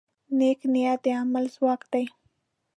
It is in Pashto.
نیک نیت د عمل ځواک دی.